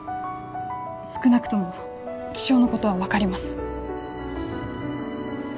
少なくとも気象のことは分かります。